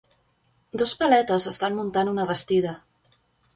Dos paletes estan muntant una bastida.